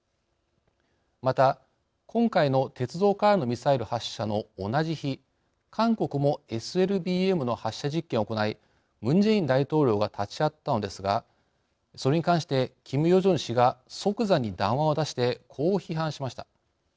また今回の鉄道からのミサイル発射の同じ日韓国もＳＬＢＭの発射実験を行いムン・ジェイン大統領が立ち会ったのですがそれに関してキム・ヨジョン氏が即座に談話を出してこう批判しました。